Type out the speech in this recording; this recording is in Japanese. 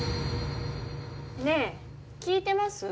ねえ聞いてます？